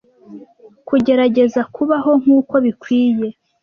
kugerageza kubaho nkuko bikwiye